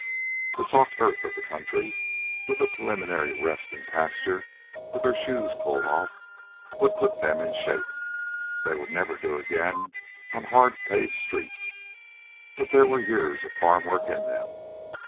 The soft earth of the country, with a preliminary rest in pasture with their shoes pulled off, would put them in shape. They would never do again on hard paved streets, but there were years of farm work in them.